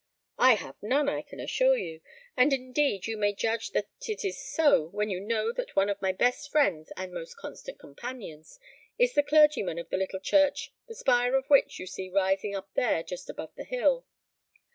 I have none, I can assure you; and indeed you may judge that it is so when you know that one of my best friends and most constant companions is the clergyman of the little church the spire of which you see rising up there just above the hill.